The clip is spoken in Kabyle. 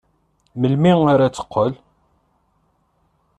Melmi ara d-teqqel?